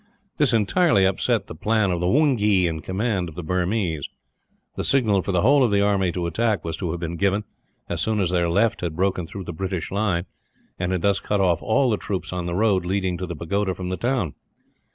This entirely upset the plan of the Wongee in command of the Burmese. The signal for the whole of the army to attack was to have been given, as soon as their left had broken through the British line, and had thus cut off all the troops on the road leading to the pagoda from the town.